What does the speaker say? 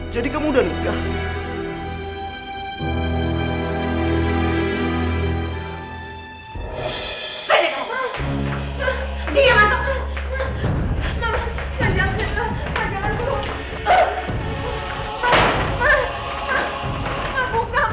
suami aku yang baru aja meninggal